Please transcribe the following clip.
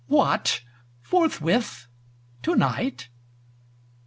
What! forthwith? tonight?